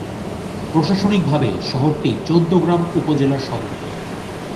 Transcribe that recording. প্রশাসনিকভাবে শহরটি চৌদ্দগ্রাম উপজেলার সদর।